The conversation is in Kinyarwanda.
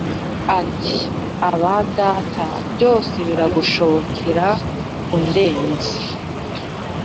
Ati aba data byose biragushobokera undenze